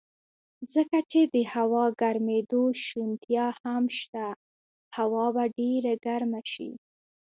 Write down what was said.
ځکه چې د هوا ګرمېدو شونتیا هم شته، هوا به ډېره ګرمه شي.